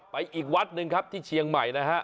อีกวัดหนึ่งครับที่เชียงใหม่นะฮะ